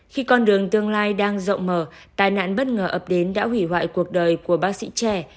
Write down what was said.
khi con đường tương lai đang rộng mở tài nạn bất ngờ ập đến đã hủy hoại cuộc đời của bác sĩ trẻ